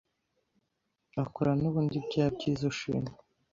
akora nubundi bya byiza ushima.